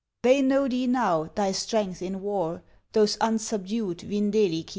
They know thee now, thy strength in war, Those unsubdued Vindelici.